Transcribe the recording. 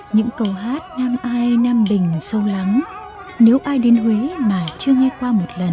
những câu hát nam ai nam bình sâu lắng nếu ai đến huế mà chưa nghe qua một lần